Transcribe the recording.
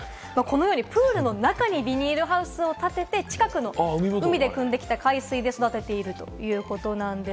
プールの中にビニールハウスを建てて、近くの海で汲んできた海水で育っているということなんです。